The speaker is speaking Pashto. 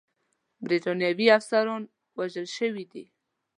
برټانوي افسران وژل شوي دي.